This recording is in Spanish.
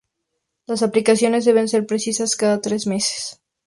Las aplicaciones deben ser precisas cada tres meses.